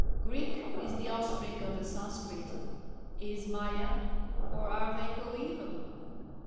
Greek is the off spring of the Sanscrit. Is Maya? or are they coeval?"